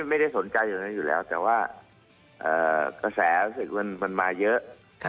ไม่ได้สนใจอยู่ในนั้นอยู่แล้วแต่ว่ากระแสศึกมันมาเยอะ